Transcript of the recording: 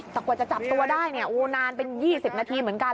สักวันจะจับตัวได้นานเป็น๒๐นาทีเหมือนกัน